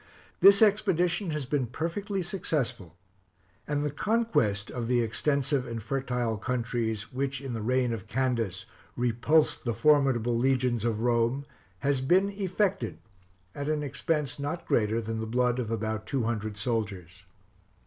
This expedition has been perfectly successful; and the conquest of the extensive and fertile countries, which, in the reign of Candace, repulsed the formidable legions of Rome, has been effected at an expense not greater than the blood of about two hundred soldiers.